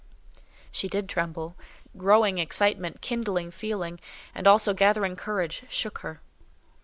She did tremble: growing excitement, kindling feeling, and also gathering courage, shook her.